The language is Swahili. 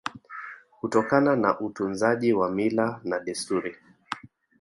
Kutokana na utunzaji wa mila na desturi